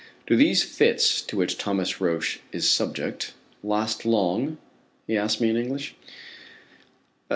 "Do these fits to which Thomas Roch is subject last long?" he asks me in English.